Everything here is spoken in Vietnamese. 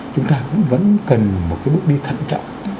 chúng ta cũng vẫn cần một cái bước đi thận trọng